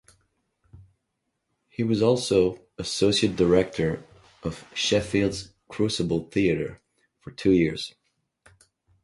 He was also associate director of Sheffield's Crucible Theatre for two years.